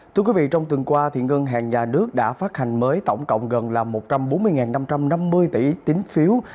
thưa quý vị trong tuần qua ngân hàng nhà nước đã phát hành mới tổng cộng gần là một trăm bốn mươi năm trăm năm mươi tỷ tính phiếu